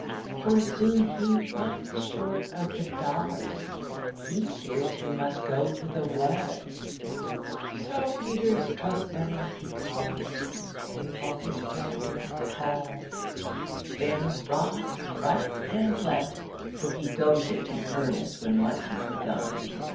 For soon he runs short of the dollars, He fears he must go to the wall; So Peter's trust money he collars To pay off his creditor, Paul; Then robs right and left for he goes it In earnest when once he's begun.